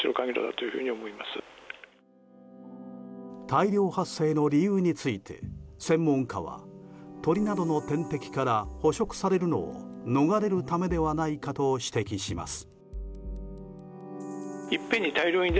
大量発生の理由について専門家は鳥などの天敵から捕食されるのを逃れるためではないかと指摘します。